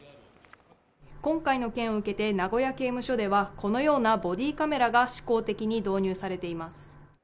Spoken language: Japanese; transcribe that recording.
今回の件を受けて名古屋刑務所では、このようなボディーカメラが試行的に導入されています。